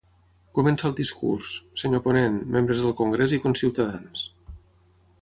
Comença el discurs: Sr. ponent, membres del Congrés i conciutadans.